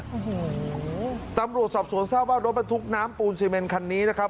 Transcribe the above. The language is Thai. โอ้โหตำรวจสอบสวนทราบว่ารถบรรทุกน้ำปูนซีเมนคันนี้นะครับ